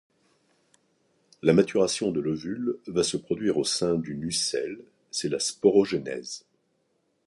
La maturation de l'ovule va se produire au sein du nucelle, c'est la sporogenèse.